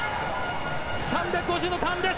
３５０のターンです。